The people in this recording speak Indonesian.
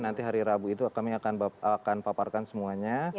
nanti hari rabu itu kami akan paparkan semuanya